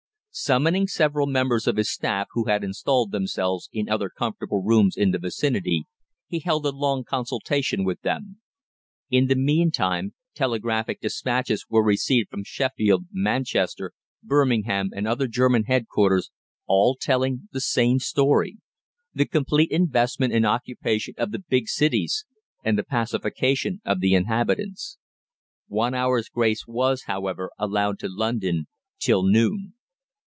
Summoning several members of his staff who had installed themselves in other comfortable rooms in the vicinity, he held a long consultation with them. In the meantime telegraphic despatches were received from Sheffield, Manchester, Birmingham, and other German headquarters, all telling the same story the complete investment and occupation of the big cities and the pacification of the inhabitants. One hour's grace was, however, allowed to London till noon.